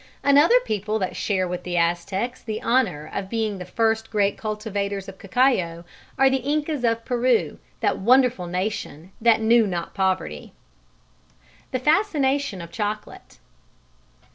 Another people that share with the Aztecs the honour of being the first great cultivators of cacao are the Incas of Peru, that wonderful nation that knew not poverty. _The Fascination of Chocolate.